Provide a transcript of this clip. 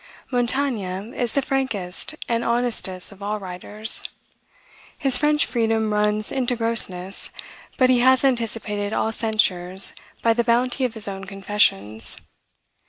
Montaigne is the frankest and honestest of all writers. His French freedom runs into grossness; but he has anticipated all censures by the bounty of his own confessions.